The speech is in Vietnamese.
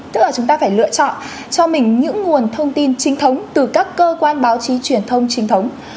tức là chúng ta phải lựa chọn cho mình những nguồn thông tin chính thống từ các cơ quan báo chí truyền thông trinh thống